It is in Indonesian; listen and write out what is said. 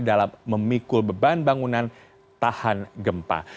dalam memikul beban bangunan tahan gempa